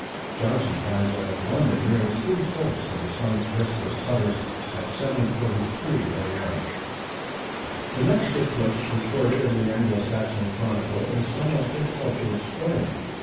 Johnson finds that at London nearly three fourths of the Sun's disc was covered at 7.43 a.m. The next eclipse recorded in the Anglo Saxon Chronicle is somewhat difficult to explain.